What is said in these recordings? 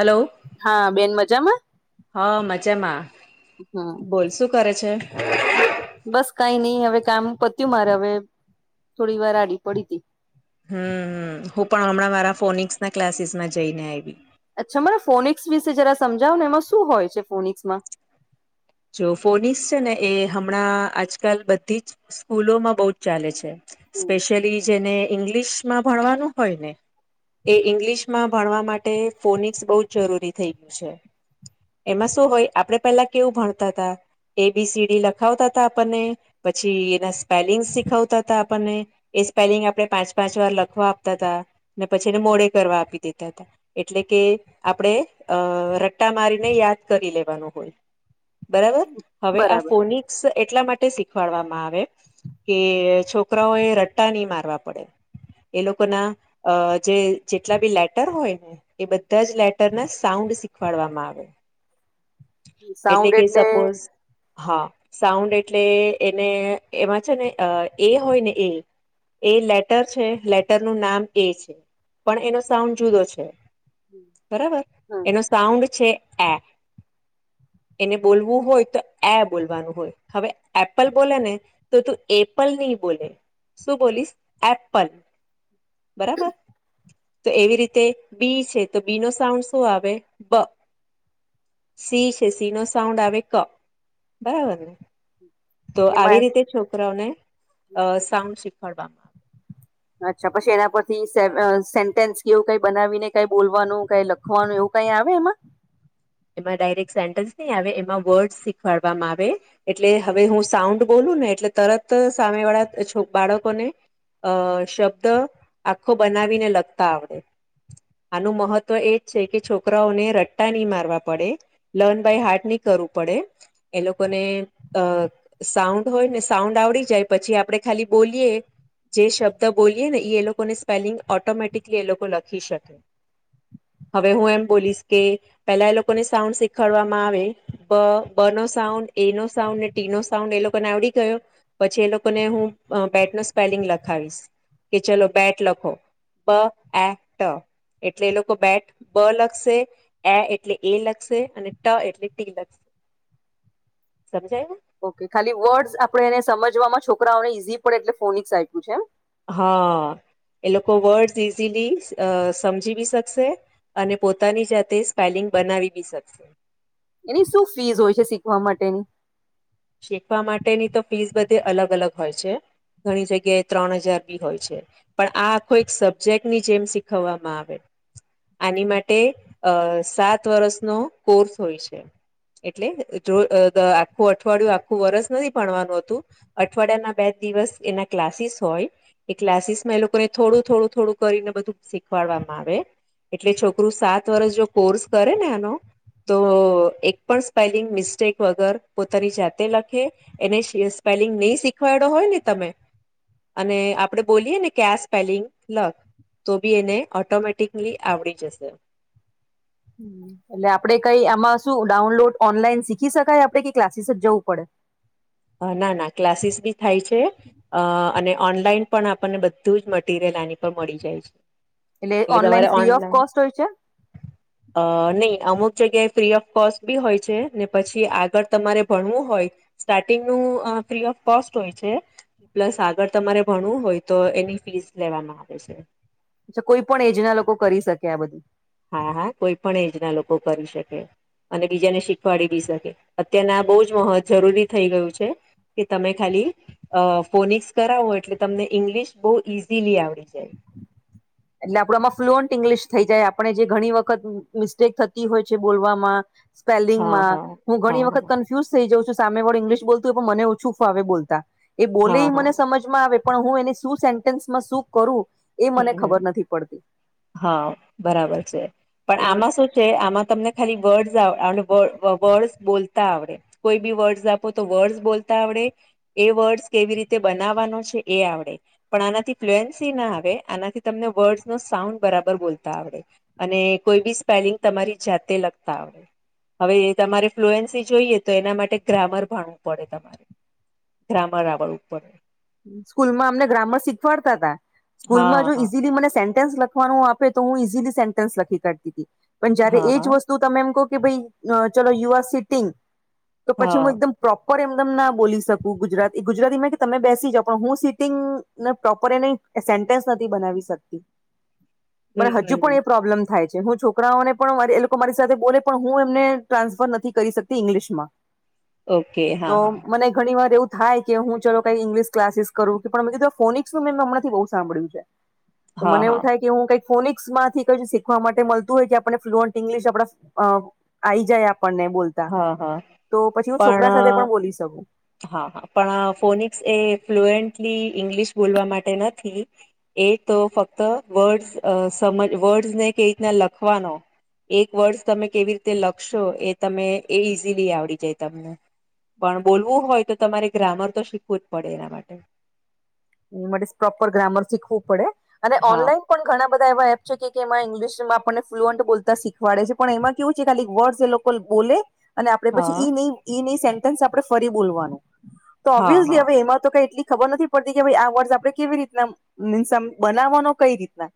Hello હા બેન મજામાં હા મજામાં હમ બોલ શું કરે છે. બસ કઈ નઈ હવે કામ કરતું મારે હવે થોડી વાર આડી પડી તિ હમ હ હું પણ હમણાં મારા ફોનિકસ ના ક્લાસીસમાં જઈને આવી. અચ્છા મને ફોનક્સ વિશે જરા સમજાવો ને એમાં શું હોય છે ફોનક્સ માં. જો ફોનસ છે ને એ હમણાં આજકાલ બધી જ સ્કૂલોમાં બહુ જ ચાલે છે. સ્પેશિયલી જેને ઈંગ્લિશમાં ભણવાનું હોય ને. એ ઇંગ્લિશમાં ભણવા માટે ફોનિક્સ બહુ જ જરૂરી થઈ ગયું છે. એમાં શું હોય આપડે પેલા કેવું ભણતા હતા. એબીસીડી લખાવતા હતા આપણને પછી એના સ્પેલિંગ શીખાવતા હતા આપણને. એ સ્પેલિંગ આપણે પાંચ પાંચ વાર લખવા આપતા હતા ને પછી એને મોડે કરવા આપી દેતા હતા. એટલે કે આપણે અ રટ્ટા મારીને યાદ કરી લેવાનું હોય. બરાબર હવે આ બરાબર ફોનિક્સ એટલા માટે શીખવાડવામાં આવે. કે છોકરાઓ એ રટ્ટા નહી મારવા પડે. એ લોકો ના અ જે જેટલા બી લેટર હોયને. એ બધા જ લેટરના સાઉન્ડ શીખવાડવામાં આવે. એટલે કે સપોઝ. હા સાઉન્ડ એટલે એને એમાં છે ને એ હોય ને એ. એ લેટર છે લેટર નું નામ એ છે પણ એનો સાઉન્ડ જુદો છે. બરાબર હમ એનો સાઉન્ડ છે એ. એને બોલવું હોય તો એ બોલવાનું હોય હવે એપલ બોલે ને. તો તું એપલ નહી બોલે શું બોલીશ એપલ. બરાબર. તો એવી રીતે બી છે તો બી નો સાઉન્ડ શું આવે બ. સિંહ છે સિંહ નો સાઉન્ડ આવે ક બરાબરને. તો એમાં આવી રીતે છોકરાઓને અ સાઉન્ડ શીખવાડવામાં. અચ્છા પછી એના પરથી સેન્ટેન્સ કેવું કઈ બનાવીને કઈ બોલવાનું કઈ લખ. ખવાનું એવું કઈ આવે એમાં. એમાં ડાયરેક્ટ સેન્ટન્સ નહી આવે એમાં વર્ડ શીખવાડવામાં આવે. એટલે હવે હું સાઉન્ડ બોલું ને એટલે તરત સામે વાળા બાળકોને. અ શબ્દ આખો બનાવીને લગતા આવડે. આનું મહત્વ એજ છે કે છોકરાઓને રટ્ટા નહી મારવાડ. પડ લર્ન બાય હાર્ટ નહી કરવું પડે એ લોકોને અ. સાઉન્ડ હોય ને સાઉન્ડ આવડી જાય પછી આપડે ખાલી બોલીએ. જે શબ્દ બોલીએ ને એ એ લોકો ને સ્પેલિંગ ઓટોમેટિકલી એ લોકો લખી શકે. હવે હું એમ પોલીસ કે પેલા એ લોકો સાઉન્ડ શીખડવામાં આવે બ બ નો સાઉન્ડ એ નો સાઉન્ડ ને ટી નો સાઉન્ડ એ લોકો ને આવડી ગયો પછી એ લોકોને હું પેટ ન સ્પેલિંગ લખાવીશ કે ચલો બેટ લખો બ એ ટ એટલે એ લોકો બેટ બ લખશે એ એટલે એ લખશે અને ટ એટલે ટી લખશે સમજાય ઓકે ખાલી વર્ડ્સ આપડણે એને સમજવામાં છોકરાઓને ઈઝી પણે એટલે ફોનિક્સ આપ્યું છે એમ હા એ લોકો વર્ડ્સ ઇઝીલી સમજીવી શકશે અને પોતાની જાતે સ્પેલિંગ બનાવી બી શકશે એની શું ફીસ હોય છે શીખવા માટેની શીખવા માટેની તો ફીસ બધે અલગ અલગ હોય છે. ઘણી જગ્યાએ ત્રણ હજાર બી હોય છે. પણ આ આખો એક સબ્જેક્ટ ની જેમ શીખવવામાં આવે આની માટે અ સાત વર્ષનો કોર્સ હોય છે એટલે જો અઠવાડિયું આખું વરસ નથી ભણવાનું હતું અઠવાડિયા ના બે જ દિવસ એના ક્લાસીસ હોય. એ ક્લાસીસ માં એ લોકોને થોડું થોડું થોડું કરીને બધું શીખવાડવામાં આવે એટલે છોકરું સાત વર્ષ જો કોર્સ કરે ને એનો તો એક પણ સ્પેલિંગ મિસ્ટસ્ટેક વગર પોતાની જાતે લખે એને સ્પેલિંગ નહી શીખવાડડો હોય ને તમે અને આપડે બોલીયએ ને કે સ્પેલિંગ તો બી એને ઓટોમેટિકલી આવડી જશે એટલે આપડે કઈ આમાં શું ડાઉનલોડ ઓનલાઈન શીખી શકાય આપડે કે ક્લાસીસ જવું પડે ના ના ક્લાસીસ બી થાય છે અ અને ઓનલાઈન પણ આપણને બધું જ મટરિયલ આની પર મળી જાય છે. એટલે ઓનલાઈન ફ્રી ઓફ કોસ્ટ હોય છે. [inaudible] અ નહી અમુક જગ્યાએ ફ્રી ઓફ કોસ્ટ બી હોય છે ને પછી આગળ તમારે ભણવું હોય. સ્ટાર્ટિંગ ન ફ્રી ઓફ કોસ્ટ હોય છે. પ્લસ આગળ તમારે ભણવું હોય તો એની ફીસ લેવામાં આવે છે. અછા કોઈ પણ એજ ના લોકો કરી શકે આ બધું હા હા કોઈ પણ એજ ના લોકો કરી શકે અને બીજાને શીખવાડી બી શકે અત્યારના આ બહુ જ મહ જરૂરી થઈ ગયું છે. કે તમે ખાલી અ ફોનિકસ કરાવો એટલે તમને ઇંગ્લિશ બહુ ઈઝીલી આવડી જાય. એટલે આપડ આમાં ફ્લુઅન્ટ ઈંગ્લિશ થઈ જાય આપણે જે ઘણી વખત મિસ્ટેક થતી હોય છે બોલવામાં હા સ્પેલિંગમાં હા હું હા ઘણી વખત હા થ સામેળું ઇંગ્લશ બોલતું હોય પણ મને ઓછું ફ આવે બોતા એ હા બલેલી હા મને સમજ સે શ કરું એ મ હમ હા બરાબર છે પણ તો આમાં શું કે આમાં તમને ખાલી વર્ડસ વર્ડસ બોલતા આવડે. કોઈ બી વર્ડસ આપો તો વર્ડસ બોલતા આવડે. એ વર્ડસ કેવી રીતે બનાવવાનો છે એ આવડે પણ આનાથી ફ્લુએન્સી ના આવે. આનાથી તમને વર્ડસ નો સાઉન્ડ બરાબર બોલતા આવડે. અને કોઈ બી સ્પેલિંગ તમારી જાતે લગતા આવે. હવે તમારે ફ્લુએન્સી જોઈએ તો એના માટે ગ્રામર ભણવું પડે તમારે. ગ્રામર રાવડ ઉપર. સ્કૂલમાં અમને ગ્રામર શીખવાડતા તા હા સ્કૂલમાં જો હા ઈઝીલી મને સેન્ટેન્સ લખ પણ આપે તો હું ઈઝીલી સેન્ટન્સ લખી કરતી હતી પણ જયારે હા એજ હા વસ્ તું તમે એમ કહ કે ભાઈ ચલો યુ આર સિટિંગ તો પછી હું હા એકદમ પ્રોપર એમનેમ ના બોલી શકું ગુજરાતી ગુજરાતી માં કે તમે બેસ [inaudible] હું સીટિંગને પ્રોપર એને સેન્ટન્સ નથી બનાવી શકતી. મને હમ હજુ હમ પણ એ પ્રોબ્લેમ થાય છે હું છોક છોકરાઓને પણ મા એ લોકો મારી સાથે બોલે પણ હું એમને ટ્રાન્સફર નથી કરી શકતી ઇંગ્લિશ માં. ઓકે તો હા હા મને ઘણી વાર એવું હા કે હું ચલો કઈક ઇંગ્લિશ ક્લાસીસ કરું કે પણ મે કીધ ફોનિકસ મે હમણાંથી બહુ સાંભળ્યું છે. તો હા મને હા એવું થ કે હું કઈક ફોનિકસ માંથી કઈ શીખવા માટે મળતું હોય કે આપણે ફ્લુઅન્ટ ઇંગ્લિશ આપડા અ આવી જાય આપણને બોલતા, હા હા તો પછી હું છોકરા સાથે પણ બોલી શકું. હા હા પણ ફોનિક્સ એ ફ્લુએન્ટલી ઇંગ્લિશ બોલવા માટે નથી. એ તો ફક્ત વર્ડ અ સમજ વર્ડસ ને કે રીતના લખવાના. એક વર્ષ તમે કેવી રીતે લખશો, એ તમે એ ઈઝીલી આવડી જાય તમને. પણ બોલવું હોય તો તમારે ગ્રામર તો શીખવું જ પડે એના માટે. માટે પ્રોપર ગ્રામર શીખવું પડે અને હા ઓનલાઈન પણ ઘણા બધા એવા એપ છે કે એમાં ઇંગ્લિશમાં આપણને ફ્લુઅન્ટ બોતા શીખવાડે છે પણ એમાં કેવું છે ખાલી વર્ડ એ લોક બોલે અને આપડે પછી હા ઈન ઈ ઈન સેન્ટન્સ આપણે ફરી બોલવાનું. તો હા ઓબ્વિયસલી હા હવે એમાં તો કઈ એટલી ખબર નથી આ વર્ષ આપણે કેવી રીતના મીન્સ આમ બનાવવાનો કઈ રીતના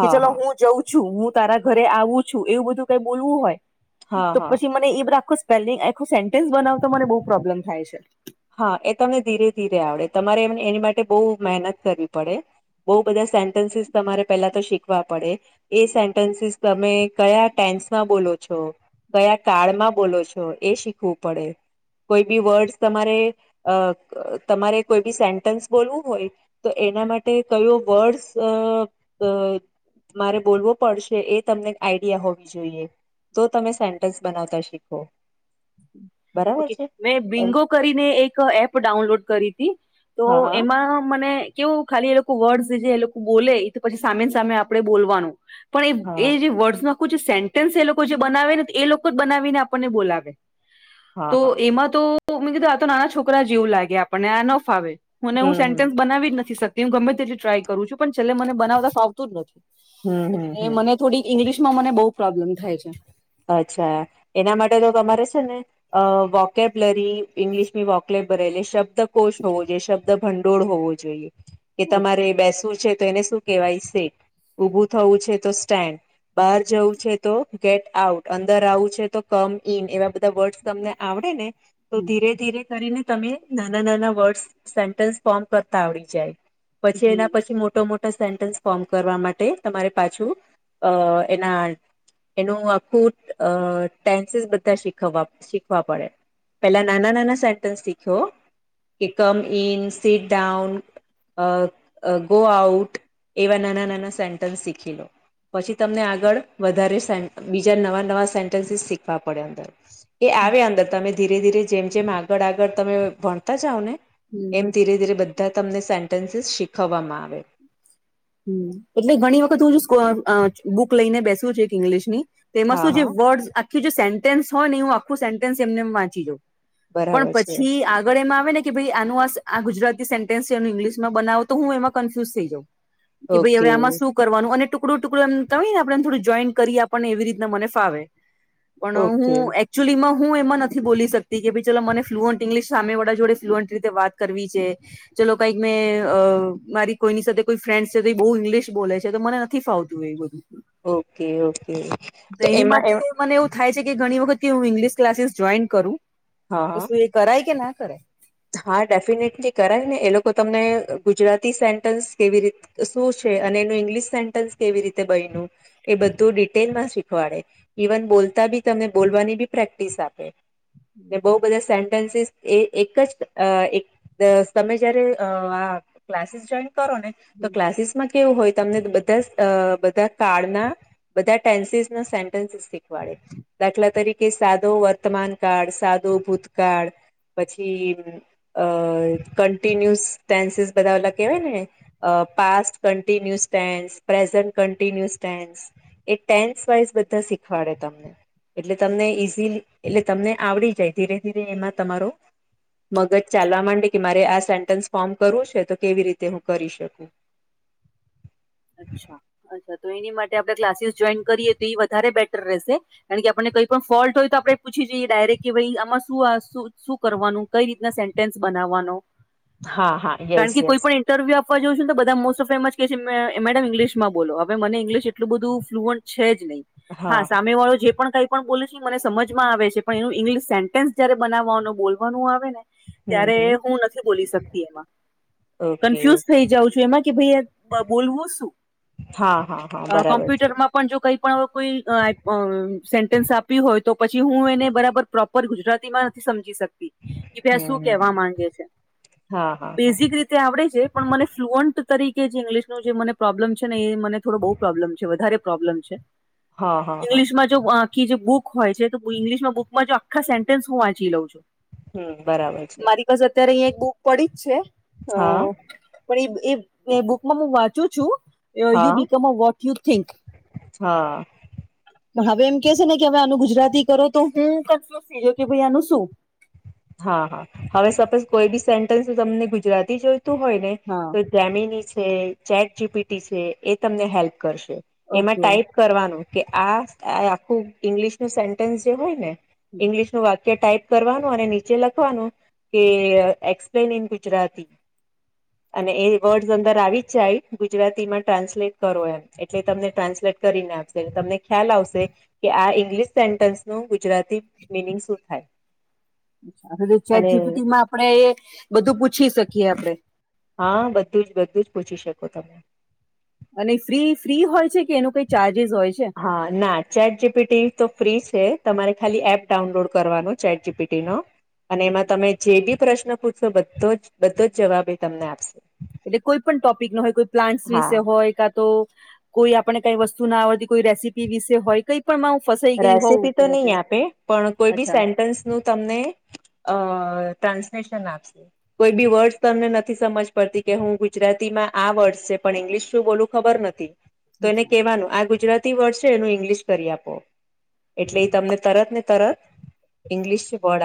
કે ચલો હા હું જઉં છું. હું તારા ઘરે આવું છું, એવું બધું ક બોલવું હોય હા તો હા પછી મને એ રાખો સ્પેલિંગ આખો સેન્ટન્સ બનાવતો મને બહુ પ્રોબ્લેમ થાય છે. હા એ તને ધીરે ધીરે આવડે તમારે એમ એની માટે બહુ મહેનત કરવી પડે. બહુ બધા સેન્ટન્સીસ તમારે પેલા તો શીખવા પડે. એ સેન્ટન્સીસ તમે કયા ટેન્સમાં બોલો છો, કયા કાળમાં બોલો છ છો એ શીખવું પડે. કોઈ બી વર્ડ તમારે અ તમારે કોઈ બી સેન્ટન્સ બોલવું હોય તો એના માટે કયો વર્ડસ અ અ મારે બોલવો પડશે એ તમને આઈડિયા હોવી જોઈએ. તો તમે સેન્ટન્સ બનાવતા શીખો. બરાબર ઓકે છે મેં એમ બિંગો કરીને એક એપ ડાઉનલોડ કરી તી. તો હા એમાં મને કેવું ખાલી એ લોકો વર્ડસ જે એ લોકો બોલે એ પછી સામે સામે આપણેે બોલવાનું. પણ એ હા એ જે વર્ડસ આખું સેન્ટન્સ એ લોકો જે બનાવે ને એ લોકો જ બનાવીને આપણને બોલાવે. હા તો હા એમાં તો મેં કીધું આ તો નાના છોકરા જેવું લાગે આપણને આ ન ફાવે. મને હું સેન્ટેન્સ હમ બનાવી જ નથી શકતી હું ગમે તેથી ટ્રાય કરું છું પણ છેલ્લે મને બનાવતા ફાવતું જ નથી. હમ હમ હમ એ હમ મને થોડીક ઈંગ્લિશમાં મને બહુ પ્રોબ્લેમ થાય છે. અચ્છા એના માટે તો તમારે છે ને અ વોકેબલરી ઇંગ્લિશની વોકલેપ એટલે શબ્દકોષ હોવો જોઈએ, શબ્દ ભંડોળ હોવો જોઈએ કે તમારે બેસવું છે તો એને શું કહેવાય સેટ, ઉભું થવું છે તો સ્ટેન્ડ, બહાર જવું છે તો ગેટ આઉટ, અંદર આવું છે તો કમ ઈન, એવા બધા વર્ડસ તમને આવડે ને તો ધીરે ધીરે કરીને તમે નાના નાના વર્ડ સેન્ટન્સ ફોર્મ કરતા આવડી જાય પછી એના પછી મોટો મોટો સે ફોર્મ કરવા માટે તમારે પાછું અ એના એનું અ ટેન્સીસ બધા શીખવા શીખવા પડે પેલા નાના નાના સેન્ટન્સ શીખ્યો કે come in sit down a a go out એવા નાના નાના સેન્ટન્સ શીખી લો પછી તમને આગળ વધારે બીજા નવા નવા સેન્ટન્સીસ શીખવા પડે અંદર એ આવે અંદર તમે ધીરે ધીરે જેમ જેમ આગળ આગળ તમે ભણતા જાવ ને એમ ધીરે ધીરે બધ ત્યાં તમને સેન્ટન્સીસ શીખવવામાં આવે એટલે ઘણી વખત હું સુ બુક લઈને બેસવું છે એક ઇંગ્લિશ ની તેમાં હા શું જે હા વર્ડ આખું જે સેન્ટેસ હોય ને હું આખું સેન્ટન્સ એમને વાંચી જાઉ પણ બરાબર છે પછી આગળ એમ આવે ને કે ભાઈ આનું આ ગુજરાતી સેન્ટેન્સ છે એ ઇંગ્લિશમાં બનાવો તો હું એમાં કન્ફ્યુઝ થઈ જાઉં કે ભાઈ હવે ઓકે આમાં શું કરવાનું અને ટુકડું ટુકડું એમ ક ને આપણેને થોડું જોઈન કરી આપણને એવી રીતના મને ફાવે પણ ઓકે હું [unintelligible] ચુલીમાં હું એમાં નથી બોલી શકતી કે ભાઈ ચલો મને ફ્લુઅન્ટ ઇંગ્લિશ સામેવાળા જોડે ફ્લુઅન્ટ રીતે વાત કરવી છે. ચાલલો કઈક મેં અ મારી કોઈની સાથે કોઈ ફ્રેન્ડ થી બહુ ઇંગ્લિશ બોલે છે તો મને નથી ફાવતું એ બધું ઓકે ઓકે તો એની એમાં એમ માટે મને એવું થાય છે કે ઘણી વખત હું ઇંગ્લિશ ક્લાસીસ જોઈન કરું હા તો શું એ કરાય કે ના કરાય હા ડેફિનેટલી કરાય ને એ લોકો તમને ગુજરાતી સેન્ટન્સ કેવી રીતે શું છે અને એનું ઈંગ્લિશ સેન્ટન્સ કેવી રીતે બયનું એ બધું ડિટેલમાં શીખવાડે ઇવન બોલતા બી તમને બોલવાની બી પ્રેક્ટિસ આપે ને બહુ હમ બધા સેન્ટન્સીસ એ એક જ અ એક તમે જયારેઅ ક્લાસીસ જોઈન કરો ને તો ક્લાસીસ કેવું હોય તમને બધા અ બધા કાળના બધા ટેન્સીસ ના સેન્ટન્સીસ શીખવાડે દાખલા તરીકે સાદો વર્તમાન કાળ સાદો ભૂતકાળ પછી અ કન્ટિન્યુસ ટેન્સીસ બવેલા કેવાય ને અ પાસ્ટ કન્ટિન્યુ સ્ટન્સ પ્રેઝન્ટ કન્ટિન્ય સન્સ એક ટેન્થ વાઈઝ બધા શીખવાડે તમને એટલે તમને ઈઝીલી એટલે તમને આવડી જાય ધીરે ધીરે એમાં તમારો મગજ ચાલવા માંડે કે મારે આ સેન્ટન્સ ફોર્મ કરવું છે તો કેવી રીતે હું કરી શકું અચ્છા અચ્છા તો એની માટે આપણે ક્લાસીસ જોઈન કરીએ તો એ વધારે બેટર રહેશે કારણ કે આપણને કઈ પણ ફોલ્ટ હોય તો આપડણે પૂછી જઈએ ડાયરેક્ટ કે ભાઈ આમાં શુંું શું કરવાનું કઈ રીતના સેન્ટેન્સ બનાવવાનું હા હા કારણ યસ કે કોઈ યસ. પણ ઇન્ટરવ્યુ આપવા જોઉં છુંને બધા મોસ્ટ ઓ ફેમ કે મેડમ ઇંગ્લિશમાં બોલો હવે મને ઇંગ્લિશ એટલું બધું ફ્લુઅન્ટ છે જ નહીં હા સામે વાળો જે પણ કઈ પણ બોલ છે મને સમજમાં આવે છે પણ એનું ઇંગ્લિશ સેન્ટેન્સ જયારે બનાવવાનું બોલવાનું આવે ને હમ ત્યારે હમ હું નથી બોલી શકતી એમાં ઓકે કન્ફ્યુઝ થઈ જાઉં છું એમાં કે ભાઈ બ- બોલવું શું હા હા હા અ બરાબર છે કોમ્પ્યુટરમાં પણ જો કઈ પણ કોઈ અ સેન્ટન્સ આપ્યું હોય તો પછી હું એને બરાબર પ્રોપ ગુજરાતીમાં નથી સમજી શકતી કે ભાઈ હમ શું કેવા હમ. માંગે છે હા હા હા બેઝિક રીતે તે આવડે છે પણ મને ફ્લુઅન્ટ તરીકે જે ઇંગ્લિશ પ્રોબ્લેમ છે ને એ મને થોડો બહુ પ્રોબ્લેમ છે વધારે પ્રોબ્લેમ છે હા હા હા ઇંગ્લશમાં આખી જે બુક હોય છે તો ઇંગ્લિશમાં બુકમાં આખા સેન્ટેન્સ હું વાંચી લઉં છું હમ બરાબર છે મારી પાસે અત્યારે અહીયાં એક બુક પડી જ છે હા અ પણ એ એ બુકમાં હું વાંચું છું યુ હા become a what you think. હા. પણ હવે એમ કે છે ને કે હવે આનું ગુજરાતી કરો તો હું કન્ફ્યુઝ થઈયો કે ભાઈ આનું શું. હા હા હવે સપોઝ કોઈ બી સેન્ટન્સ તમને ગુજરાતી જોઈતું હોય ને, હા તો ગમીની છે ચેટ જી પી ટી છે એ તમને હેલ્પ કરશે, એમાં ઓકે ટાઈપ કરવાનું કે આ આખું ઈંગ્લિશ નું સેન્ટન્સ જે હોય ને. ઈંગ્લિશનું વાક્ય ટાઈપ કરવાનું અને નીચે લખવાનું. કે એક્સપ્લેન ઇન ગુજરાતી. અને એ વર્ડસ અંદર આવી જ જાય ગુજરાતીમાં ટ્રાન્સલેટ કરો એમ એટલે તમને ટ્રાન્સલેટ કરીને આપે. તમને ખ્યાલ આવશે, કે આ ઇંગ્લિશ સેન્ટન્સ નું ગુજરાતી મિનિંગ શું થાય. ચેટ અને જી બી ટી માં આપડે, એ બધું પૂછી શકીએ આપડે. હા બધું જ બધું જ પૂછી શકો તમે. અને ફ્રી ફ્રી હોય છે કે એનું કઈ ચાર્જિસ હોય છે? હા ના ચેટ જી પી ટી તો ફ્રી છે તમારે ખાલી એપ ડાઉનલોડ કરવાનો ચેટ જી પી ટી નો. અને એમાં એટલે તમે જે બી પ્રશ્ન પૂછશો બધો જ બધો જ જવાબ એ તમને આપશે. એટલે કોઈ પણ ટોપિક ન હોય કોઈ પ્લાન્ટસ વિશે હા હોય કા તો કોઈ આપણે કઈ વસ્તુ ના આવડતી કોઈ રેસીપી વિશે હોય કઈ મા હું ફશે રેસીપી તો નહીં આપે, પણ કોઈ બી અચ્છા સેન્ટન્સ નું તમને અ ટ્રાન્સલેશન આપશે. કોઈ બી વર્ડ્સ તમને નથી સમજ પડતી કે હું ગુજરાતીમાં આ વર્ડસ છે, પણ ઇંગ્લિશ શું બોલું ખબર નથી, તો એને અચ્છા કેવાનું આ ગુજરાતી વર્ડ છે એનું ઇંગ્લિશ કરી આપો. એટલે હમ. એ તમને તરત ને તરત ઈંગ્લિશ વર્ડ